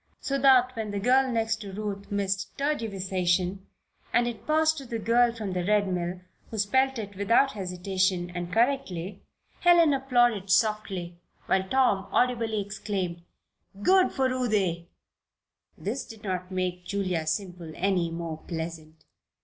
So that when the girl next to Ruth missed "tergiversation" and it passed to the girl from the Red Mill, who spelled it without hesitation, and correctly, Helen applauded softly, while Tom audibly exclaimed: "Good for Ruthie!" This did not make Julia Semple any more pleasant.